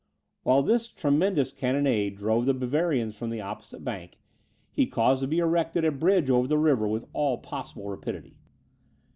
While this tremendous cannonade drove the Bavarians from the opposite bank, he caused to be erected a bridge over the river with all possible rapidity.